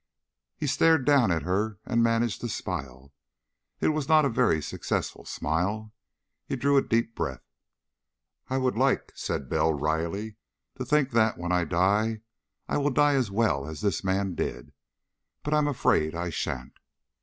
He stared down at her and managed to smile. It was not a very successful smile. He drew a deep breath. "I would like," said Bell wryly, "to think that, when I die, I will die as well as this man did. But I'm afraid I shan't."